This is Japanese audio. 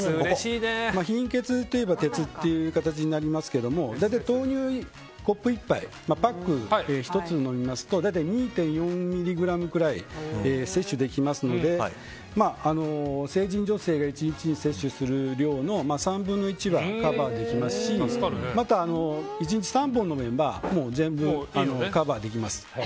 貧血といえば鉄という形になりますが大体、豆乳コップ１杯パック１つを飲みますと大体２．４ｍｇくらい摂取できますので、成人女性が１日に摂取する量の３分の１はカバーできますしまた、１日３本飲めば全部カバーできます。